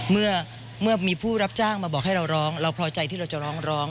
เมื่อมีผู้รับจ้างมาบอกให้เราร้องเราพอใจที่เราจะร้อง